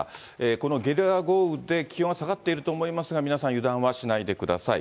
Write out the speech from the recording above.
このゲリラ豪雨で気温が下がっていると思いますが、皆さん、油断はしないでください。